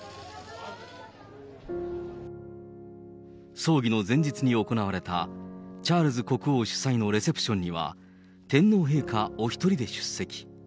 葬儀の前日に行われた、チャールズ国王主催のレセプションには、天皇陛下お１人で出席。